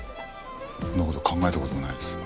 そんな事考えた事もないです。